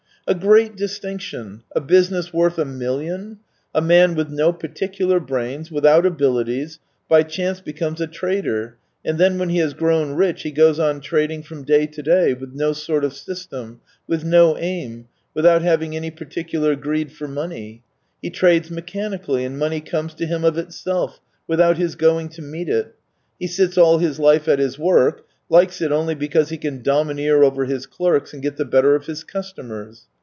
" A great distinction — a business worth a million ! A man \vith no particular brains, without abilities, by chance becomes a trader, and then when he has grown rich he goes on trading from day to day, with no sort of system, with no aim, without having any particular greed for money. He trades mechanically, and money comes to him of itself, without his going to meet it. He sits all his life at his work, likes it only because he can domineer over his clerks and get the better of his customers.